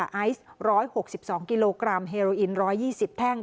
ไอซ์๑๖๒กิโลกรัมเฮโรอิน๑๒๐แท่ง